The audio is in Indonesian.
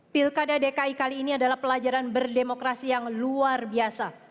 pilkada dki kali ini adalah pelajaran berdemokrasi yang luar biasa